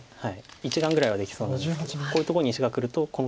１眼ぐらいはできそうなんですけどこういうとこに石がくるとこの黒の眼が。